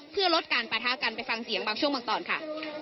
เพื่อลดการปะทะกันไปฟังเสียงบางช่วงบางตอนค่ะ